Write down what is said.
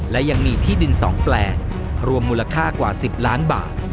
และยังมีที่ดิน๒แปลงรวมมูลค่ากว่า๑๐ล้านบาท